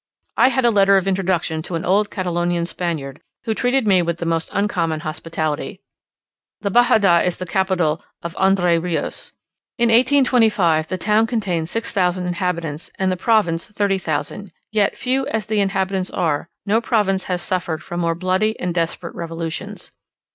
I had a letter of introduction to an old Catalonian Spaniard, who treated me with the most uncommon hospitality. The Bajada is the capital of Entre Rios. In 1825 the town contained 6000 inhabitants, and the province 30,000; yet, few as the inhabitants are, no province has suffered more from bloody and desperate revolutions.